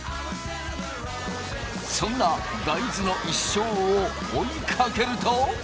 そんな大豆の一生を追いかけると。